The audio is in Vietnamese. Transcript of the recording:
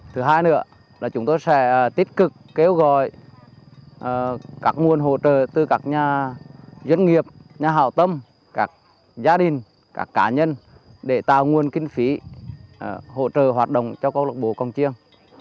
thứ hai nữa là chúng tôi sẽ tích cực kêu gọi các nguồn hỗ trợ từ các nhà doanh nghiệp nhà hào tâm các gia đình các cá nhân để tạo nguồn kinh phí hỗ trợ hoạt động cho câu lạc bộ công chiêng